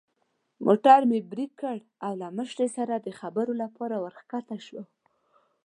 موټر مې برېک کړ او له مشرې سره د خبرو لپاره ور کښته شوم.